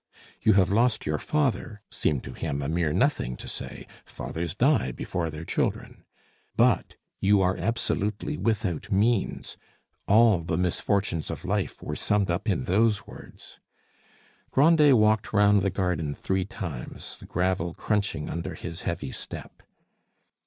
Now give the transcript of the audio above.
"You have lost your father," seemed to him a mere nothing to say; fathers die before their children. But "you are absolutely without means," all the misfortunes of life were summed up in those words! Grandet walked round the garden three times, the gravel crunching under his heavy step.